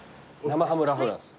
生ハムラフランス。